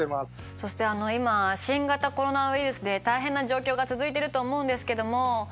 そして今新型コロナウイルスで大変な状況が続いてると思うんですけども。